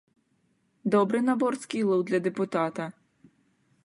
Добры набор скілаў для дэпутата!